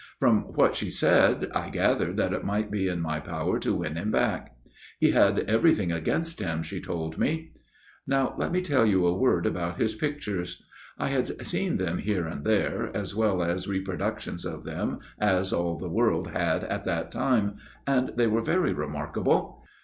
From what she said, I gathered that it might be in my power to win him back. He had everything against him, she told me. " Now let me tell you a word about his pictures. I had seen them here and there, as well as repro ductions of them, as all the world had at that time, and they were very remarkable.